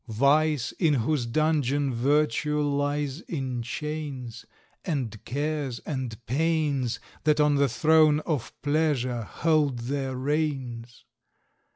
Vice, in whose dungeon Virtue lies in chains; And Cares and Pains, That on the throne of Pleasure hold their reigns.